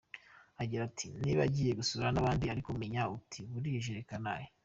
Agira ati “…niba ugiye gusura n’abandi ariko menya uti “burije reka ntahe.